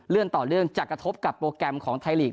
ต่อเนื่องจะกระทบกับโปรแกรมของไทยลีก